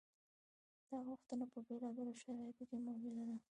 دا غوښتنه په بېلابېلو شرایطو کې موجوده ده.